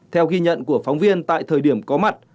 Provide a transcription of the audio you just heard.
theo ghi nhận của phóng viên tại thời điểm có mặt